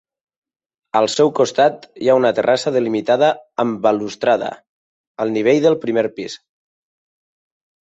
Al seu costat hi ha una terrassa delimitada amb balustrada, al nivell del primer pis.